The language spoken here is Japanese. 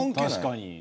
確かに。